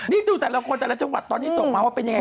นี่ดูแต่ละคนแต่ละจังหวัดตอนนี้ส่งมาว่าเป็นยังไง